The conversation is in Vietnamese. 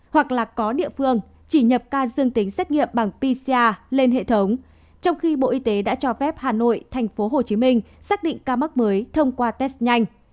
hoặc là có địa phương chỉ nhập ca dương tính xét nghiệm bằng pcr lên hệ thống trong khi bộ y tế đã cho phép hà nội tp hcm xác định ca mắc mới thông qua test nhanh